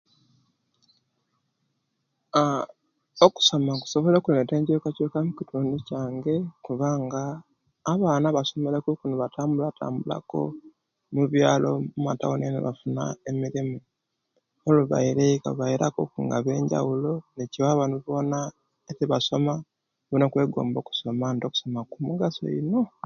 Aah okusoma kusobola okuleta enkyukakyuka mukitundu kyange kubanga abaana abasomere kuku nibatambula tambula ku mubyalo, omatauni nibafuna emirimu olubaira eika baira kuba benjaulo ekyo kiwa banu bona etibasoma bona okwegomba okusoma nti okusoma kwomugaso ino